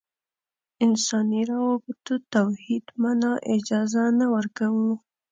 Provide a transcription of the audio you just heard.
انساني روابطو توحید معنا اجازه نه ورکوو.